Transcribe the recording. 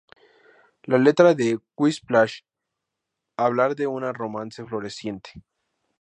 La letra de "Whiplash" hablar de un romance floreciente.